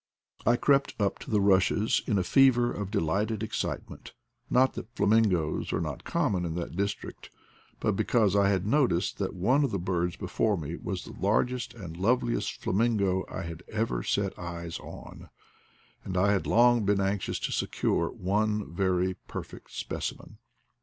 I crept up to the rushes in a fever of delighted excitement; not that flamingoes are not common in that dis trict, but because I had noticed that one of the birds before me was the largest and loveliest fla mingo I had ever set eyes on, and I had long been anxious to secure one very perfect specimen.